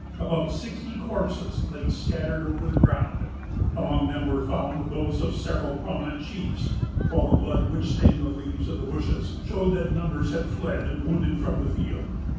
About sixty corpses lay scattered over the ground. Among them were found those of several prominent chiefs, while the blood which stained the leaves of the bushes showed that numbers had fled wounded from the field.